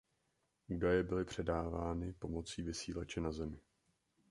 Údaje byly předávány pomocí vysílače na Zemi.